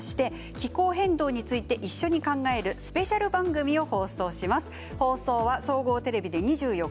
気候変動について一緒に考えるスペシャル番組を放送します。